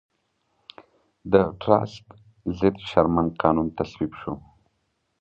د ټراست ضد شرمن قانون تصویب شو.